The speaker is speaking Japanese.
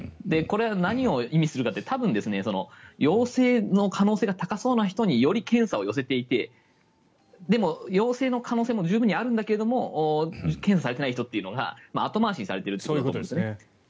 これは何を意味するかって多分陽性の可能性が高そうな人により検査を寄せていてでも、陽性の可能性も十分にあるんだけど検査が足りてない人っていうのが後回しにされているってことですね。